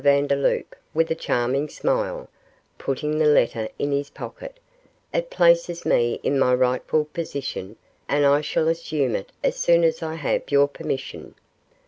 Vandeloup, with a charming smile, putting the letter in his pocket, 'it places me in my rightful position, and I shall assume it as soon as I have your permission.